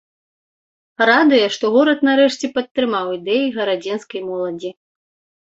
Радуе, што горад нарэшце падтрымаў ідэі гарадзенскай моладзі.